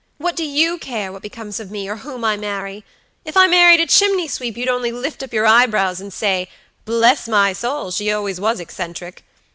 "What do you care what becomes of me, or whom I marry? If I married a chimney sweep you'd only lift up your eyebrows and say, 'Bless my soul, she was always eccentric.'